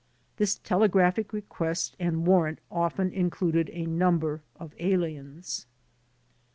This telegraphic request and warrant often included a number of aliens.